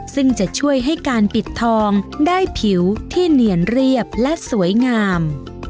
ซึ่งจะช่วยให้การปิดทองได้ผิวที่เนียนเรียบและสวยงาม